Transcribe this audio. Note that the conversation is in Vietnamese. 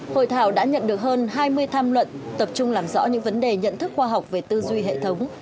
hội thảo đã nhận được hơn hai mươi tham luận tập trung làm rõ những vấn đề nhận thức khoa học về tư duy hệ thống